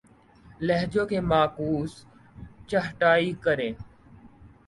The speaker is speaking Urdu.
لہجوں کی معکوس چھٹائی کریں